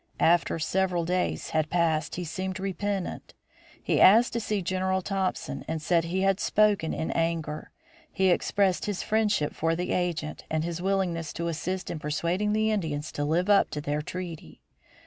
After several days had passed he seemed repentant. He asked to see General Thompson and said he had spoken in anger. He expressed his friendship for the agent and his willingness to assist in persuading the Indians to live up to their treaty.